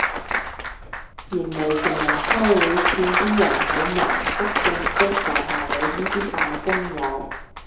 原來成日開會見啲人好忙覆訊息就係你呢啲扮工友